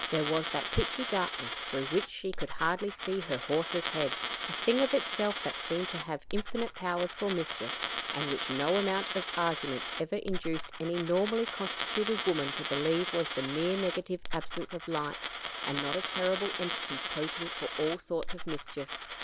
There was that pitchy darkness through which she could hardly see her horse's head a thing of itself that seemed to have infinite powers for mischief, and which no amount of argument ever induced any normally constituted woman to believe was the mere negative absence of light, and not a terrible entity potent for all sorts of mischief.